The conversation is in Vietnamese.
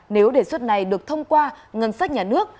nếu đề xuất này được thông qua ngân sách nhà nước